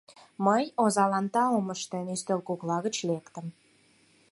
Мый, озалан таум ыштен, ӱстел кокла гыч лектым.